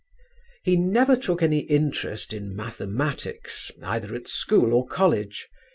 "He never took any interest in mathematics either at school or college.